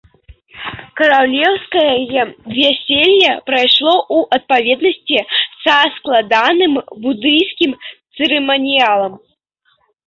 Каралеўскае вяселле прайшло ў адпаведнасці са складаным будыйскім цырыманіялам.